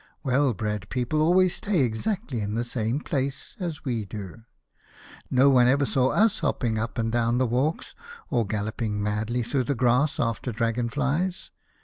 Well bred people always stay exactly in the same place, as we do. No one ever saw us hopping. up and down the walks, or galloping madly through the crass after dragon flies.